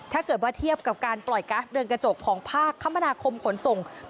ถ้าเกิดว่าเทียบกับการปล่อยก๊าซเดินกระจกของภาคคมนาคมขนส่ง